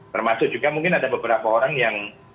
termasuk juga mungkin ada beberapa orang yang